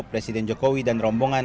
presiden jokowi dan rombongan